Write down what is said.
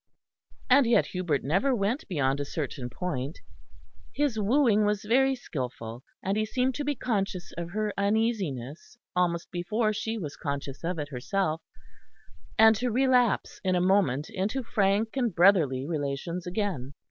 And yet Hubert never went beyond a certain point; his wooing was very skilful: and he seemed to be conscious of her uneasiness almost before she was conscious of it herself, and to relapse in a moment into frank and brotherly relations again.